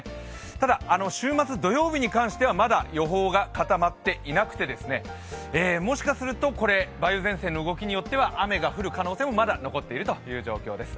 ただ、週末土曜日に関してはまだ予報が固まっていなくてもしかすると梅雨前線の動きによっては雨が降る可能性もまだ残っているという状況です。